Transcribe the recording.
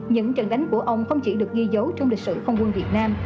những trận đánh của ông không chỉ được ghi dấu trong lịch sử không quân việt nam